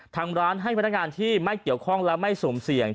ทางร้านให้พนักงานที่ไม่เกี่ยวข้องและไม่สุ่มเสี่ยง